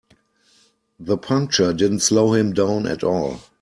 The puncture didn't slow him down at all.